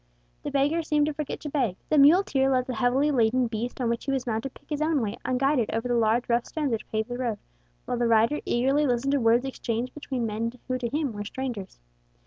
The beggar seemed to forget to beg; the muleteer let the heavily laden beast on which he was mounted pick his own way, unguided, over the large rough stones which paved the road, while the rider eagerly listened to words exchanged between men who to him were strangers.